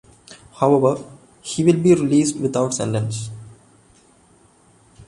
However, he will be released without sentence.